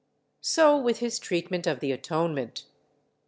So with his treatment of the Atonement.